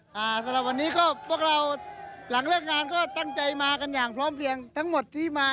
สำหรับวันนี้ก็พวกเราหลังเลิกงานก็ตั้งใจมากันอย่างพร้อมเพลียงทั้งหมดที่มา